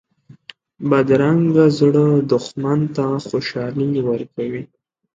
بدرنګه زړه دښمن ته خوشحالي ورکوي